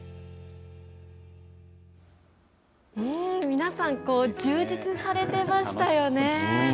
皆さん充実されてましたよね。